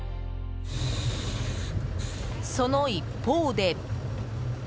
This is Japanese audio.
その一方で。